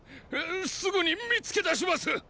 すぐに見つけ出します！